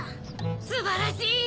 すばらしい！